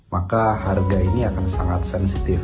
maka harga ini akan sangat sensitif